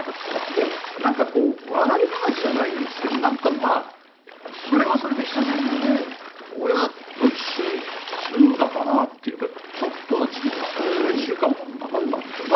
いやなんかこう笑い話じゃないんですけどなんかまあそれはそれで久しぶりに親と一緒に住んだかなっていうかちょっとの時期でしたけどそれは１週間もなかったんですけど。